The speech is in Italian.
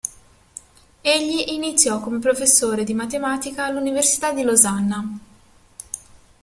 Egli iniziò come professore di matematica all'Università di Losanna.